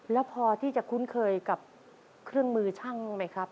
แล้วพอที่จะคุ้นเคยกับเครื่องมือช่างไหมครับ